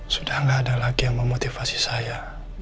sudah tidak ada lagi yang memotivasi saya